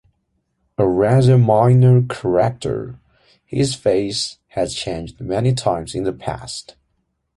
A rather minor character, his face has changed many times in the past.